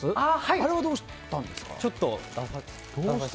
あれはどうしたんですか？